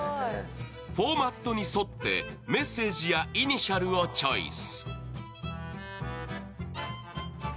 フォーマットに沿ってメッセージやイニシャルをチョイス。